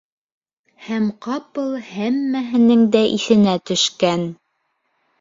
Һәм ҡапыл һәммәһенең дә иҫенә төшкән: